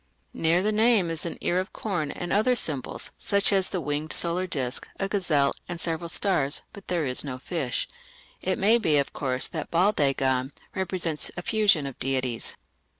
Near the name is an ear of corn, and other symbols, such as the winged solar disc, a gazelle, and several stars, but there is no fish. It may be, of course, that Baal dagon represents a fusion of deities.